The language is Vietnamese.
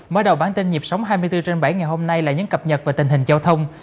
mở đầu bản tin nhịp sống hai mươi bốn trên bảy ngày hôm nay là những cập nhật về tình hình giao thông